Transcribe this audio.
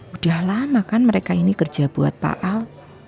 udah lama kan mereka ini kerja buat pak al